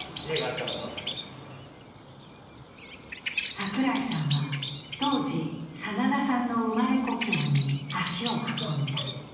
櫻井さんは当時、真田さんの生まれ故郷に足を運んだ。